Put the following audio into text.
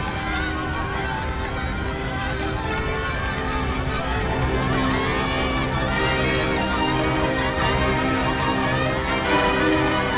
tidak anak saya ketinggalan di dalam tidak bisa keluar tolong